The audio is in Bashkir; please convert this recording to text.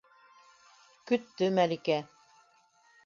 Көттө Мәликә.